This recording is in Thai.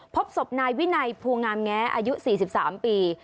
พบศพนายวินัยภูงามแง้อายุ๔๓ปี